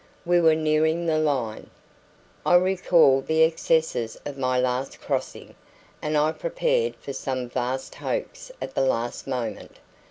We were nearing the Line. I recalled the excesses of my last crossing, and I prepared for some vast hoax at the last moment.